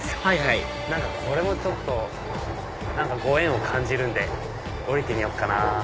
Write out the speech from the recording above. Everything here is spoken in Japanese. はいはいこれもご縁を感じるんで降りてみよっかな。